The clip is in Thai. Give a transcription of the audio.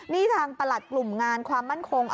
นี่ทางประหลัดกลุ่มงานความมั่นคง